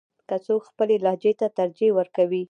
که څوک خپلې لهجې ته ترجیح ورکوي.